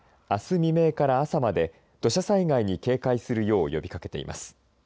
未明から朝まで土砂災害に警戒するよう呼びかけています。